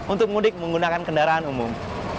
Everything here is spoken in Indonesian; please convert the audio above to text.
untuk mudik menggunakan kendaraan umum